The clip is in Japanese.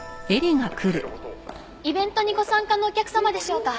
イベントにご参加のお客様でしょうか？